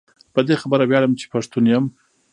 په دي خبره وياړم چي پښتون يم